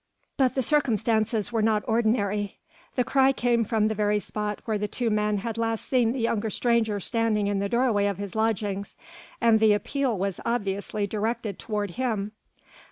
But the circumstances were not ordinary; the cry came from the very spot where the two men had last seen the young stranger standing in the doorway of his lodgings and the appeal was obviously directed toward him.